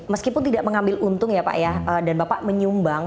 meskipun tidak mengambil untung ya pak ya dan bapak menyumbang